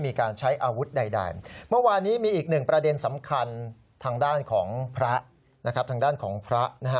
เมื่อวานี้มีอีกหนึ่งประเด็นสำคัญทางด้านของพระ